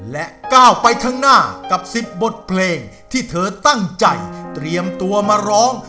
และก้าวไปข้างหน้ากับ๑๐บทเพลงที่เธอตั้งใจเตรียมตัวมาร้อง